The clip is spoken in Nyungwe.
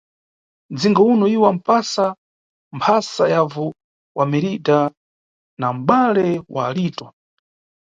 Nʼdzinga uno, iwo apasa mphasa yavu wa Meridha na mʼbale wa Lito.